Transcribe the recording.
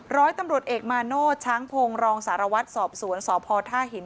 ร้อยตำรวจเอกมาโนธช้างพงศ์รองสารวัตรสอบสวนสพท่าหิน